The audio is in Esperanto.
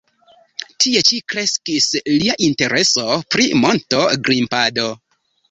Tie ĉi kreskis lia intereso pri monto-grimpado.